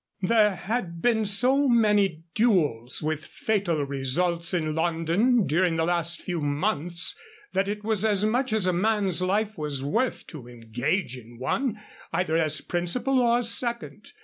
There had been so many duels with fatal results in London during the last few months that it was as much as a man's life was worth to engage in one, either as principal or second.